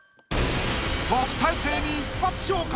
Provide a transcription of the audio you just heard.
特待生に一発昇格！